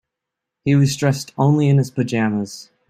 He was dressed only in his pajamas.